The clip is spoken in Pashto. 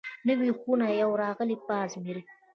_نوي خو نه يو راغلي، باز مير.